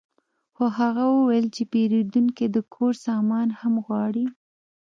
خو هغه وویل چې پیرودونکی د کور سامان هم غواړي